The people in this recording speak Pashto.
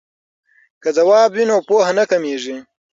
که ځواب وي نو پوهه نه کمېږي.